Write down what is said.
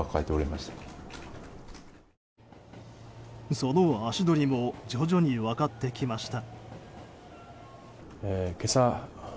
その足取りも徐々に分かってきました。